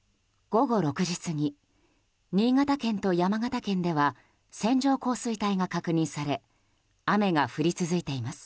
午後６時過ぎ新潟県と山形県では線状降水帯が確認され雨が降り続いています。